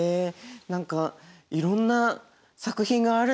何かいろんな作品があるんですね。